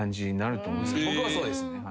僕はそうですね。